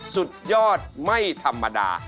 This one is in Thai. สุดยอดไม่ธรรมดา